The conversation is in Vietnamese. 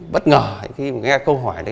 bất ngờ khi nghe câu hỏi